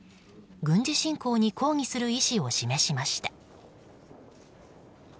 軍事侵攻に抗議する意思を示しました。